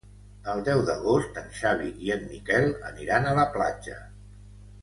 El deu d'agost en Xavi i en Miquel aniran a la platja.